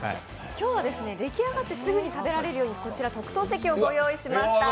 今日は出来上がってすぐに食べられるように特等席をご用意しました。